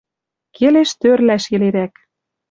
Келеш тӧрлӓш йӹлерӓк.